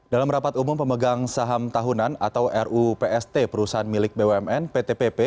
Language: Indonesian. dalam rapat umum pemegang saham tahunan atau rupst perusahaan milik bumn pt pp